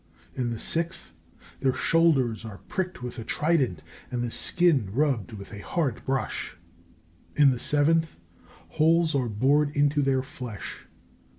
In the sixth, their shoulders are pricked with a trident and the skin rubbed with a hard brush. In the seventh, holes are bored into their flesh.